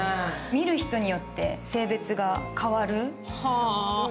見る人によって性別が変わる。